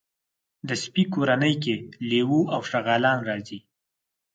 د سپي کورنۍ کې لېوه او شغالان راځي.